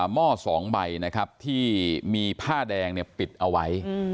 มอดสองใบที่มีผ้าแดงปิดเอาไว้